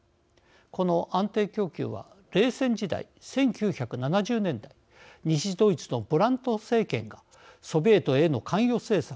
この安定供給は冷戦時代、１９７０年代西ドイツのブラント政権がソビエトへの関与政策